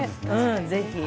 ぜひ。